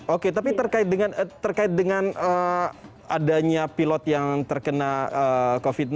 oke tapi terkait dengan adanya pilot yang terkena covid sembilan belas